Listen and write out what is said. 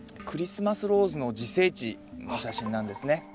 クリスマスローズの自生地の写真なんですね。